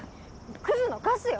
クズのカスよ！